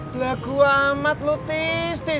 belagu amat lu tis tis